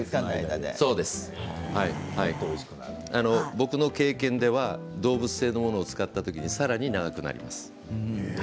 僕の経験では動物性のものを使ったときにさらに長くなります。